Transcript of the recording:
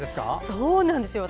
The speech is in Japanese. そうなんですよ。